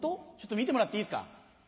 見てもらっていいですか？